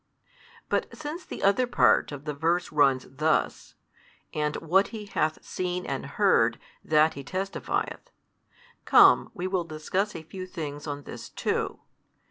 But since the other part of the verse runs thus, And what He hath seen and heard, that He testifieth, come we will discuss a few things on this too.